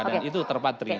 dan itu terpatri